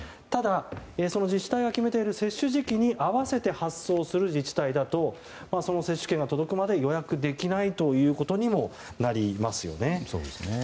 ただ、その自治体が決めている接種時期に合わせて発送する自治体だとその接種券が届くまで予約できないということになりますよね。